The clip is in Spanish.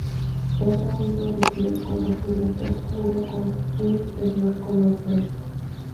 Es un higo de piel color violeta oscuro con un interior color fresa.